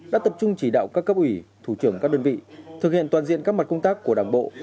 đã tập trung chỉ đạo các cấp ủy thủ trưởng các đơn vị thực hiện toàn diện các mặt công tác của đảng bộ